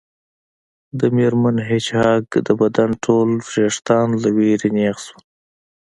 د میرمن هیج هاګ د بدن ټول ویښتان له ویرې نیغ شول